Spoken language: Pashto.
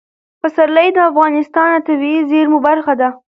پسرلی د افغانستان د طبیعي زیرمو برخه ده.